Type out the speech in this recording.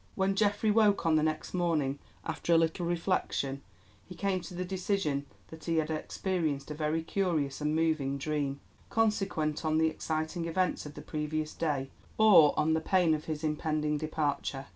When Geoffrey woke on the next morning, after a little reflection, he came to the decision that he had experienced a very curious and moving dream, consequent on the exciting events of the previous day, or on the pain of his impending departure.